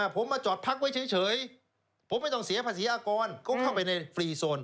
ผมมาจอดพักไว้เฉยผมไม่ต้องเสียภาษีอากรก็เข้าไปในฟรีโซน